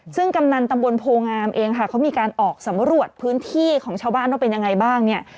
ซึ่งกำนันตำบลโพงามเองค่ะเขามีการออกสำรวจพื้นที่ของชาวบ้านว่าเป็นยังไงบ้างเนี่ย